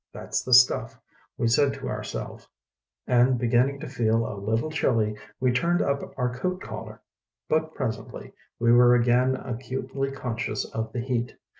"That's the stuff," we said to our self and, beginning to feel a little chilly, we turned up our coat collar. But presently we were again acutely conscious of the heat.